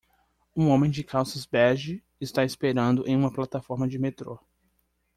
Um homem de calças bege está esperando em uma plataforma de metrô.